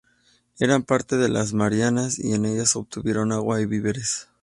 Eran parte de las Marianas y en ellas obtuvieron agua y víveres.